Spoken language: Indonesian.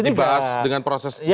dibahas dengan proses ini ya